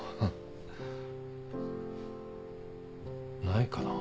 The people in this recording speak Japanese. ないかな。